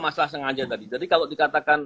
masalah sengaja tadi jadi kalau dikatakan